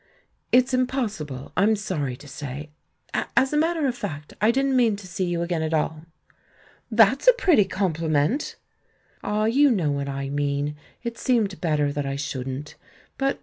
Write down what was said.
"It's impossible, I'm sorry to say. ... As a matter of fact, I didn't mean to see you again at all." "That's a pretty compliment!" "Ah, you know what I mean — it seemed bet ter that I shouldn't. But ...